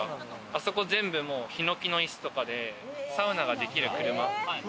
あそこ全部ヒノキの椅子とかで、サウナができる車。